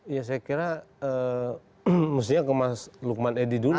ya saya kira mestinya ke mas lukman edi dulu